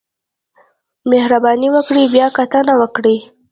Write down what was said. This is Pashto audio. مهرباني وکړئ بیاکتنه وکړئ